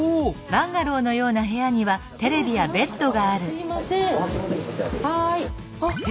すいません。